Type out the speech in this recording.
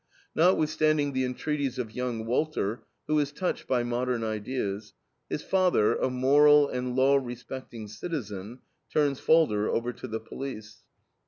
Notwithstanding the entreaties of young Walter, who is touched by modern ideas, his father, a moral and law respecting citizen, turns Falder over to the police.